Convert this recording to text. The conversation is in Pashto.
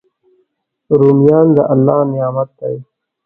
رومیان د الله نعمت دی